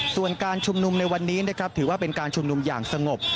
ส่วนการชุมนุมในวันนี้นะครับถือว่าเป็นการชุมนุมอย่างสงบ